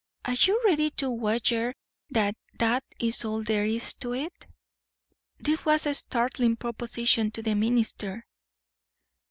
"Are you ready to wager that that is all there is to it?" This was a startling proposition to the minister.